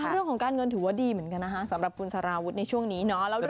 เรื่องของการเงินถือว่าดีเหมือนกันนะคะสำหรับคุณสารวุฒิในช่วงนี้เนาะ